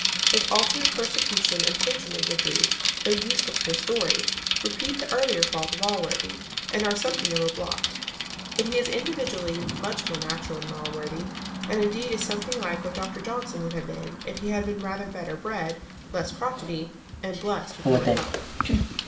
His alternate persecution and patronage of Booth, though useful to the story, repeat the earlier fault of Allworthy, and are something of a blot. But he is individually much more natural than Allworthy, and indeed is something like what Dr Johnson would have been if he had been rather better bred, less crotchety, and blessed with more health.